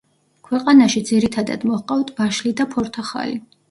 ქვეყანაში ძირითადად მოჰყავთ ვაშლი და ფორთოხალი.